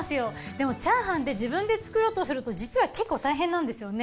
でも炒飯って自分で作ろうとすると実は結構大変なんですよね。